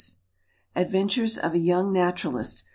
Adventures of a Young Naturalist.